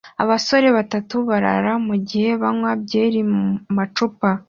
Abasore batatu barara mu gihe banywa byeri mu macupa